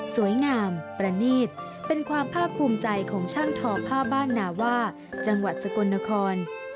สวยงามประนีตเป็นความภาคภูมิใจของช่างทอผ้าบ้านนาว่าจังหวัดสกลนคร